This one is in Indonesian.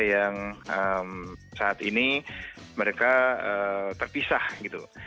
yang saat ini mereka terpisah gitu